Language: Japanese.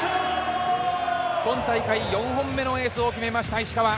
今大会、４本目のエースを決めました、石川。